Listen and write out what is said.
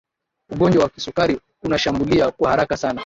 ugonjwa wa kisukari unashambulia kwa haraka sana